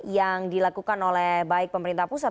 yang dilakukan oleh baik pemerintah pusat